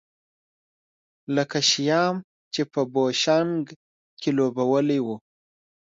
لکه شیام چې په بوشونګ کې لوبولی و.